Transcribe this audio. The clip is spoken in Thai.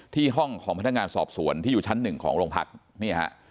ที่ห้องของพนักงานสอบสวนที่อยู่ชั้น๑ของโรงพักษณ์